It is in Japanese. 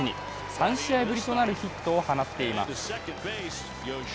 ３試合ぶりとなるヒットを放っています。